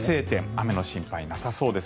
雨の心配はなさそうです。